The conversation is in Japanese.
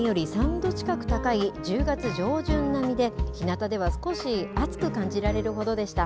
日中は平年より３度近く高い１０月上旬並みで、ひなたでは少し暑く感じられるほどでした。